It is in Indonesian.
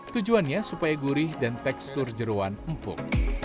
tujuannya supaya gurih dan tekstur jeruan empuk